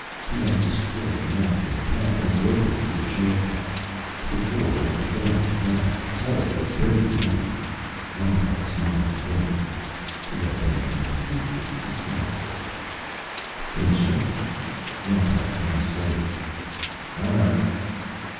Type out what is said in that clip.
He had destroyed the man from the past and broken Peter Sherikov. The war had begun as planned. Terra was breaking out. Reinhart smiled thinly. He had been completely successful. "Commissioner." Reinhart turned slowly. "All right."